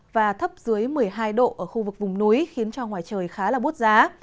và thấp dưới một mươi hai độ ở khu vực vùng núi khiến cho ngoài trời khá là bút giá